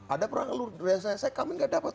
ada perang lalu desanya saya kami tidak dapat